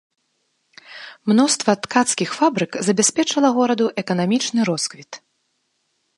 Мноства ткацкіх фабрык забяспечыла гораду эканамічны росквіт.